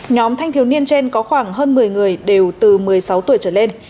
nhóm thanh thiếu niên trên có khoảng hơn một mươi người đều từ một mươi sáu tuổi trở lên